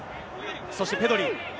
そしてペドリ。